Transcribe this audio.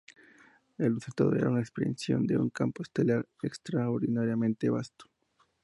El resultado es una impresión de un campo estelar extraordinariamente vasto.